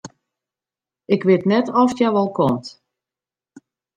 Ik wit net oft hja wol komt.